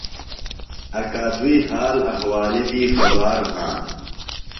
اکادُئی حال احوالی دی خبار بھانہ۔